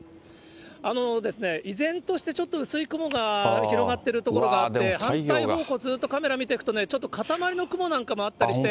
依然としてちょっと薄い雲が広がっている所があって、反対方向、ずっとカメラ見ていくとね、ちょっとかたまりの雲なんかもあったりして。